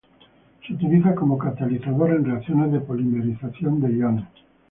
Se utiliza como catalizador en reacciones de polimerización de iones.